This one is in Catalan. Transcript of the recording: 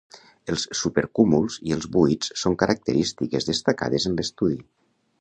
Els supercúmuls i els buits són característiques destacades en l'estudi.